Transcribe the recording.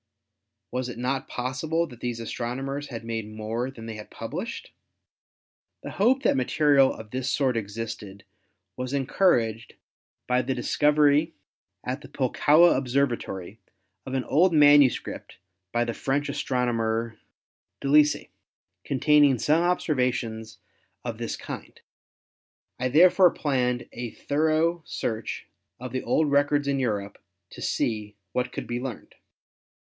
Was it not possible that these astronomers had made more than they had published? The hope that material of this sort existed was encouraged by the discovery at the Pul kowa Observatory of an old\ manuscript by the French astronomer Delisle, containing some observations of this kind. I therefore planned a thoro search of the old rec ords in Europe to see what could be learned."